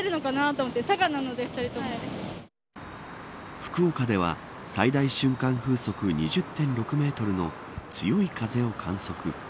福岡では最大瞬間風速２０．６メートルの強い風を観測。